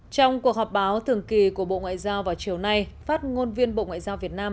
trong cuộc họp báo thường kỳ của bộ ngoại giao vào chiều nay phát ngôn viên bộ ngoại giao việt nam